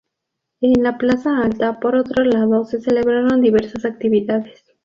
En la Plaza Alta, por otro lado, se celebraron diversas actividades.